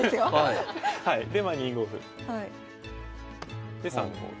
でまあ２五歩。で３五歩。